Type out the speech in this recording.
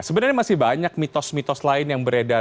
sebenarnya masih banyak mitos mitos lain yang beredar